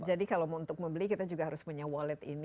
kalau untuk membeli kita juga harus punya wallet ini